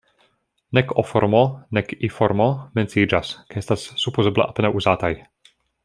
Nek O-formo, nek I-formo menciiĝas, kaj estas supozeble apenaŭ uzataj.